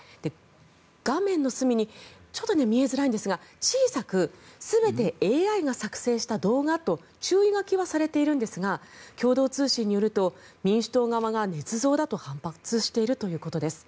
画面の隅に見えづらいんですが小さく全てＡＩが作成した動画と注意書きはされているんですが共同通信によると民主党側がねつ造だと反発しているということです。